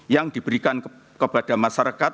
yang diberikan kepada masyarakat